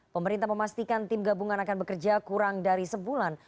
pemerintah memastikan tim gabungan akan bekerja kurang dari sebulan